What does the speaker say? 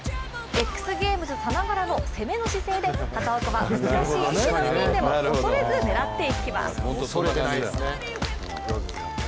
ＸＧＡＭＥＳさながらの攻めの姿勢で畑岡は、難しい位置のピンでも恐れず、狙っていきます。